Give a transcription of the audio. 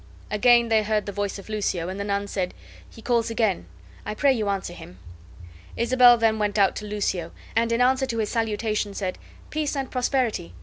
Again they heard the voice of Lucio, and the nun said: "He calls again. I pray you answer him." Isabel then went out to Lucio, and in answer to his salutation, said: "Peace and Prosperity!